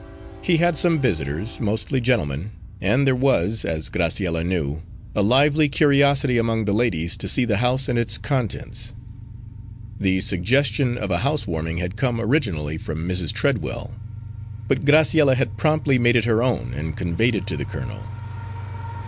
He had some visitors, mostly gentlemen, and there was, as Graciella knew, a lively curiosity among the ladies to see the house and its contents. The suggestion of a house warming had come originally from Mrs. Treadwell; but Graciella had promptly made it her own and conveyed it to the colonel.